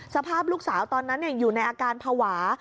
สภาพลูกสาวตอนนั้นอยู่ในอาการภาวะ